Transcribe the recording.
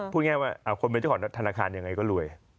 พูดง่ายว่าคนเป็นเจ้าของธนาคารยังไงก็รวย